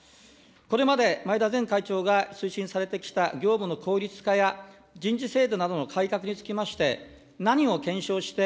これまで前田前会長が推進されてきた、業務の効率化や人事制度などの改革につきまして、何を検証して、